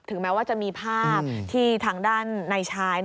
แม้ว่าจะมีภาพที่ทางด้านในชาย